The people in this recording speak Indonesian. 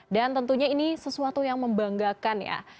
dan tentunya ini sesuatu yang membanggakan ya